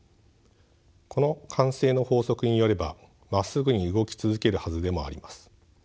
この慣性の法則によればまっすぐに動き続けるはずでもあります。